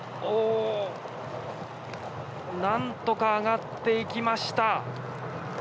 なんとか上がっていきました。